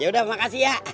yaudah makasih ya